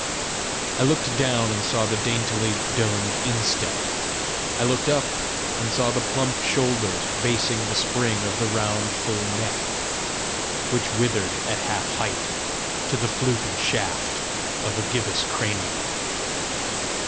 I looked down and saw the daintily domed instep; I looked up and saw the plump shoulders basing the spring of the round full neck which withered at half height to the fluted shaft of a gibbose cranium.